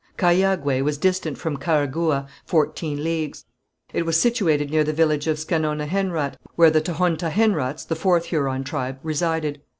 Cahiagué was distant from Carhagouha fourteen leagues. It was situated near the village of Scanonahenrat, where the Tohontahenrats, the fourth Huron tribe, resided.